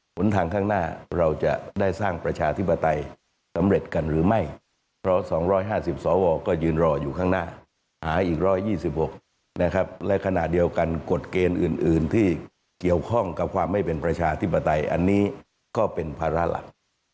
หนทางข้างหน้าเราจะได้สร้างประชาธิปไตยสำเร็จกันหรือไม่เพราะ๒๕๐สวก็ยืนรออยู่ข้างหน้าหาอีก๑๒๖นะครับและขณะเดียวกันกฎเกณฑ์อื่นที่เกี่ยวข้องกับความไม่เป็นประชาธิปไตยอันนี้ก็เป็นภาระหลัก